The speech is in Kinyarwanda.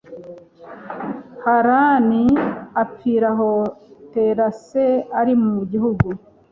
harani apfira aho tera se ari mu gihugu